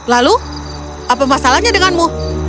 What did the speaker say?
lalu apa masalahnya denganmu